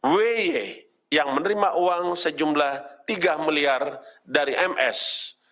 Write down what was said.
wiy yang menerima uang sejumlah tiga miliar dari ms